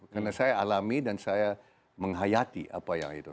karena saya alami dan saya menghayati apa yang itu